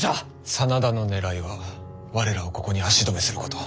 真田の狙いは我らをここに足止めすること。